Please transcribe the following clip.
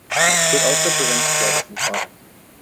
It also prevents blood from clotting.